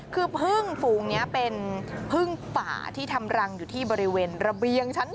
คือพึ่งฝูงนี้เป็นพึ่งป่าที่ทำรังอยู่ที่บริเวณระเบียงชั้น๒